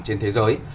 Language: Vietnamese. trên thế giới